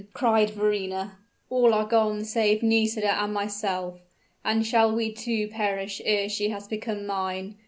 cried Verrina; "all are gone save Nisida and myself! And shall we too perish ere she has become mine?